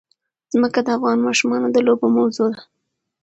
ځمکه د افغان ماشومانو د لوبو موضوع ده.